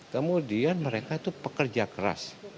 kemudian mereka itu pekerja keras